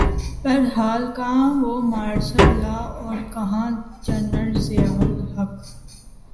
بہرحال کہاںوہ martial law اورکہاں جنرل ضیاء الحق کا۔